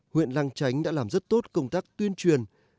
huyện lăng chánh đã làm rất tốt công tác tuyên truyền